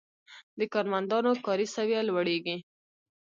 د کارمندانو کاري سویه لوړیږي.